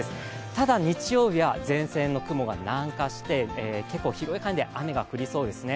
ただ、日曜日は前線の雲が南下して結構広い範囲で雨が降りそうですね。